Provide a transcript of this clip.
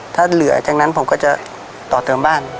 ถ้าเหลือจากนั้นผมก็จะต่อเติมบ้าน